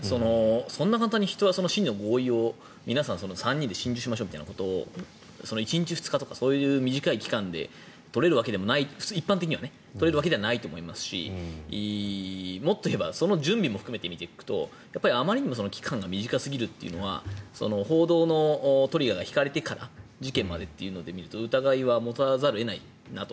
そんな簡単に人は死の合意を３人で心中しましょうみたいなことを１日２日とか短い期間で一般的には取れるわけでもないと思いますしもっと言えばその準備も含めて見ていくとあまりにも期間が短すぎるというのは報道のトリガーが引かれてから事件までというので見ると疑いは持たざるを得ないなと。